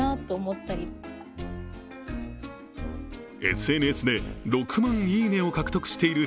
ＳＮＳで６万いいねを獲得している